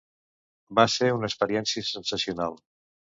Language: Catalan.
Va ser una experiència sensacional.